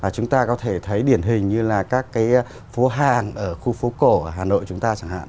chúng ta có thể thấy điển hình như là các cái phố hàng ở khu phố cổ hà nội chúng ta chẳng hạn